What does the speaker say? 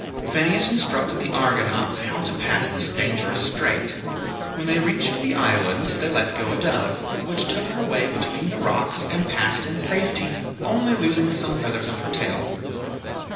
Phineus instructed the Argonauts how to pass this dangerous strait. When they reached the islands they let go a dove, which took her way between the rocks, and passed in safety, only losing some feathers of her tail.